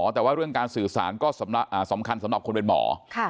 แต่ว่าเรื่องการสื่อสารก็สำหรับอ่าสำคัญสำหรับคนเป็นหมอค่ะ